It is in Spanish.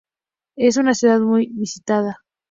Es una ciudad muy visitada.